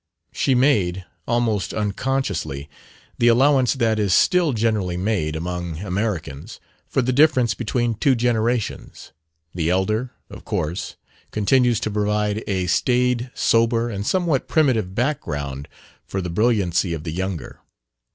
She made, almost unconsciously, the allowance that is still generally made, among Americans, for the difference between two generations: the elder, of course, continues to provide a staid, sober, and somewhat primitive background for the brilliancy of the younger.